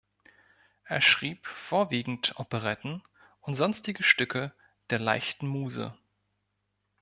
Er schrieb vorwiegend Operetten und sonstige Stücke der Leichten Muse.